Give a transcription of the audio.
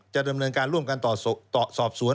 จะดำเนินการร่วมกันต่อสอบสวน